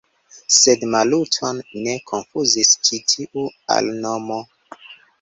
Sed Maluton ne konfuzis ĉi tiu alnomo.